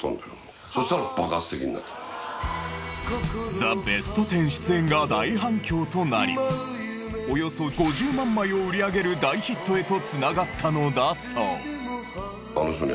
『ザ・ベストテン』出演が大反響となりおよそ５０万枚を売り上げる大ヒットへとつながったのだそう。